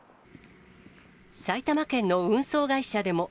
埼玉県の運送会社でも。